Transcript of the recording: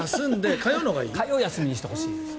火曜を休みにしてほしいですね。